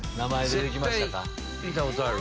見たことある。